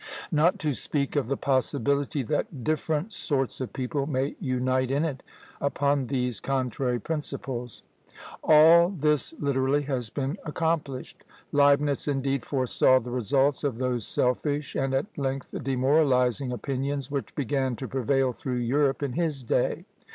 Not to speak of the possibility that different sorts of people may unite in it upon these contrary principles!" All this literally has been accomplished! Leibnitz, indeed, foresaw the results of those selfish, and at length demoralizing, opinions, which began to prevail through Europe in his day.